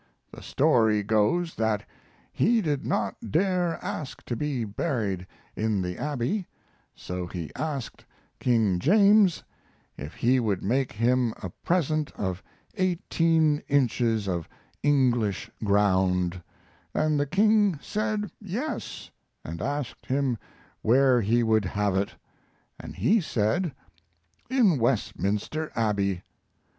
The story goes that he did not dare ask to be buried in the Abbey, so he asked King James if he would make him a present of eighteen inches of English ground, and the King said 'yes,' and asked him where he would have it, and he said in Westminster Abbey.